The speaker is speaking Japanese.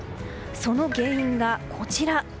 その原因が、こちら。